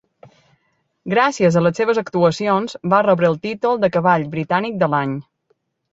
Gràcies a les seves actuacions, va rebre el títol de cavall britànic de l'any.